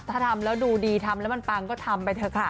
ถ้าทำแล้วดูดีทำแล้วมันปังก็ทำไปเถอะค่ะ